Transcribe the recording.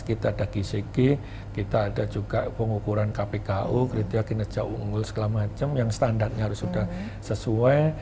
kita ada gcg kita ada juga pengukuran kpku kriteria kinerja unggul segala macam yang standarnya harus sudah sesuai